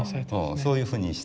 そういうふうにして。